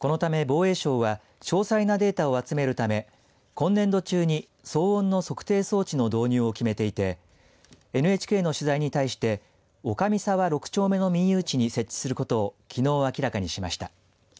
このため、防衛省は詳細なデータを集めるため今年度中に騒音の測定装置の導入を決めていてＮＨＫの取材に対して岡三沢６丁目の民有地に設置することをきのう明らかにしました。